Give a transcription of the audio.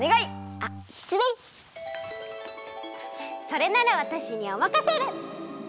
それならわたしにおまかシェル！